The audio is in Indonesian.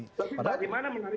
tapi bagaimana menarik